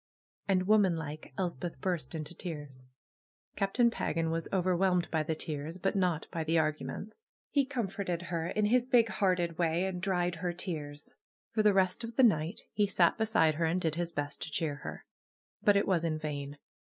And, womanlike, Elspeth burst into tears. Captain Pagan was overwhelmed by the tears; but not by the arguments. He comforted her in his big hearted way, and dried her tears. For the rest of the night he sat beside her and did his best to cheer her. But it was in vain